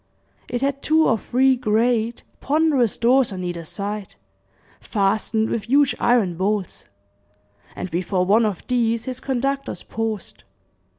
It had two or three great, ponderous doors on either side, fastened with huge iron bolts; and before one of these his conductors paused.